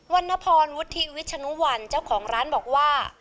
วันนพรวุฒิวิชชะนุวรรณเจ้าของร้านบอกว่า